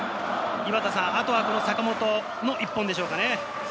あとは坂本の一本でしょうかね？